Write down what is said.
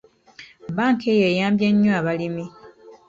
Bbanka eyo eyambye nnyo abalimi.